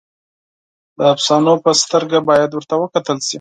د افسانو په سترګه باید ورته وکتل شي.